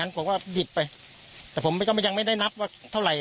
ผมก็หยิบไปแต่ผมก็ยังไม่ได้นับว่าเท่าไหร่